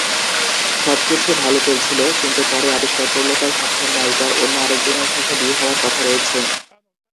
সবকিছু ভাল চলছিল, কিন্তু পরে আবিষ্কার করল তার স্বপ্নের নায়িকার অন্য আরেকজনের সাথে বিয়ে হওয়ার কথা রয়েছে।